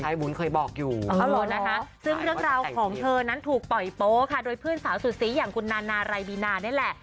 วุ้นเคยบอกอยู่นะคะซึ่งเรื่องราวของเธอนั้นถูกปล่อยโป๊ค่ะโดยเพื่อนสาวสุดสีอย่างคุณนานาไรบีนานี่แหละ